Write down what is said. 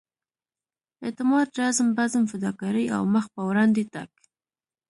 اعتماد رزم بزم فداکارۍ او مخ پر وړاندې تګ.